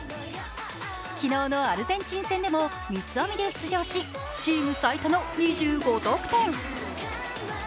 昨日のアルゼンチン戦でも三つ編みで出場しチーム最多の２５得点。